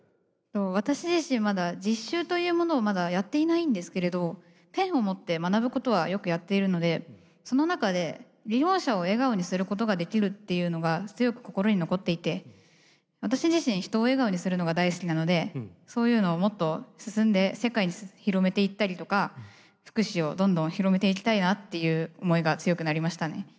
私自身まだ実習というものをまだやっていないんですけれどペンを持って学ぶことはよくやっているのでその中で利用者を笑顔にすることができるっていうのが強く心に残っていて私自身人を笑顔にするのが大好きなのでそういうのをもっと進んで世界に広めていったりとか福祉をどんどん広めていきたいなっていう思いが強くなりましたね。